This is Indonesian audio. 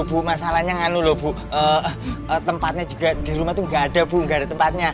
aduh masalahnya enggak lu lo bu tempatnya juga di rumah tuh enggak ada bu enggak ada tempatnya